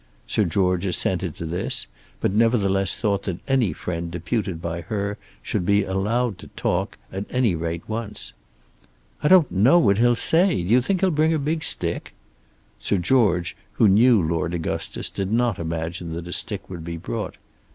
Sir George assented to this, but nevertheless thought that any friend deputed by her should be allowed to talk, at any rate once. "I don't know what he'll say. Do you think he'll bring a big stick?" Sir George who knew Lord Augustus did not imagine that a stick would be brought.